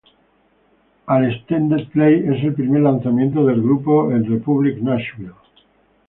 El extended play es el primer lanzamiento del grupo en Republic Nashville.